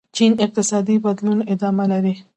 چین اقتصادي بدلونونه ادامه لري.